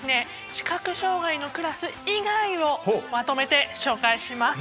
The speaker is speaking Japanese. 視覚障がいのクラス以外をまとめて紹介します。